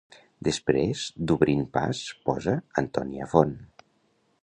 Després d'obrint pas posa Antònia Font.